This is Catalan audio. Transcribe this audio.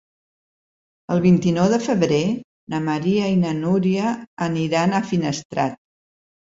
El vint-i-nou de febrer na Maria i na Núria aniran a Finestrat.